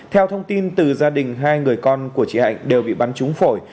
theo thông tin từ gia đình hai người con của chị hạnh đều bị bắn trúng phổi